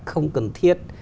không cần thiết